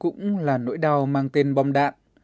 cũng là nỗi đau mang tên bom đạn